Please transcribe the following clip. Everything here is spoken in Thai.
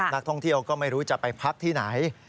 นักท่องเที่ยวก็ไม่รู้จะไปพักที่ไหน